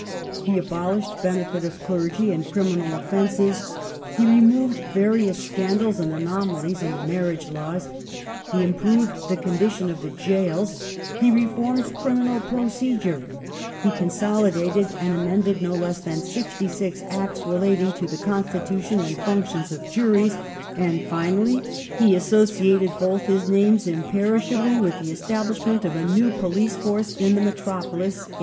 He abolished Benefit of Clergy in criminal offences ; he removed various scandals and anomalies in the Marriage Laws ; he improved the condition of the gaols ; he reformed criminal procedure ; he consolidated and amended no less than 66 Acts relating to the constitution and func tions of juries, and, finally, he associated both his names imperish ably with the establishment of a new police force in the metropolis (1829).